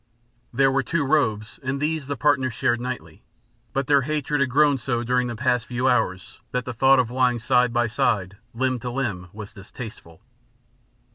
There were two robes and these the partners shared nightly, but their hatred had grown so during the past few hours that the thought of lying side by side, limb to limb, was distasteful.